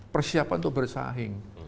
persiapan untuk bersaing